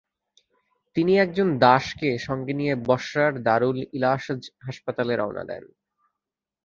তিনি একজন দাসকে সঙ্গে নিয়ে বসরার দারুল ইলাসজ হাসপাতালে রওনা দেন।